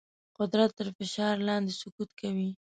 قدرت تر فشار لاندې سقوط کوي.